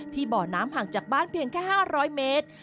บ่อน้ำห่างจากบ้านเพียงแค่๕๐๐เมตร